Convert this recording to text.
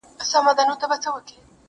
زهره چاودي به لستوڼي کي ماران سي،